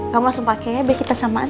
kamu langsung pake ya biar kita samaan